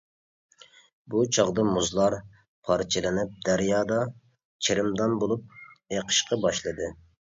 بۇ چاغدا مۇزلار پارچىلىنىپ دەريادا چىرىمدان بولۇپ ئېقىشقا باشلىدى.